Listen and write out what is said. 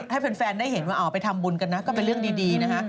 ให้แฟนได้เห็นว่าไปทำบุญกันนะก็เป็นเรื่องดีนะฮะ